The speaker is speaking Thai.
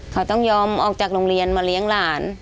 เขาต้องยอมออกจากโรงเรียนมาเลี้ยงหลาน